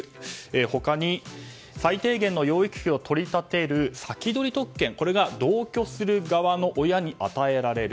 他に最低限の養育費を取り立てる先取特権が同居する側の親に与えられる。